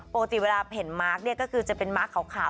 ปกติเวลาเห็นมาร์คเนี่ยก็คือจะเป็นมาร์คขาว